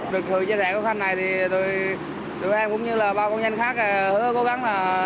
được sự chia sẻ của thanh này thì tụi em cũng như là bao công nhân khác hứa cố gắng